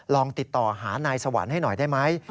ลองติดต่อหานายสวรรค์ให้หน่อยได้ไหม